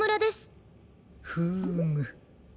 フーム。